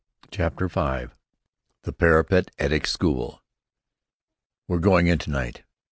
CHAPTER V THE PARAPET ETIC SCHOOL "We're going in to night."